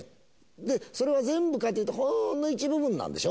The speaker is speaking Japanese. で、それが全部かというと、ほんの一部分なんでしょ。